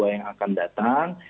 yang akan datang